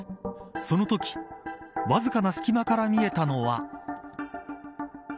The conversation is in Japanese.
そのときわずかな隙間から見えたのは。